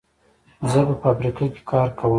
زه په فابریکه کې کار کوم.